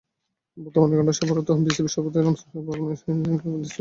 বর্তমানে কানাডা সফররত বিসিবি সভাপতি নাজমুল হাসানের সেদিনই দেশে ফেরার কথা।